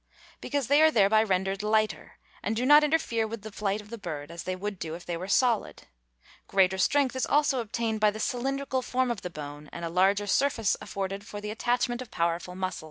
_ Because they are thereby rendered lighter, and do not interfere with the flight of the bird as they would do if they were solid. Greater strength is also obtained by the cylindrical form of the bone, and a larger surface afforded for the attachment of powerful muscles.